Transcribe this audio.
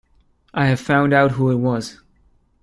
I have found out who it was.